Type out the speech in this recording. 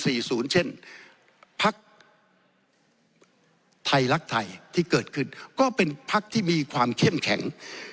เช่นพักไทยรักไทยที่เกิดขึ้นก็เป็นพักที่มีความเข้มแข็ง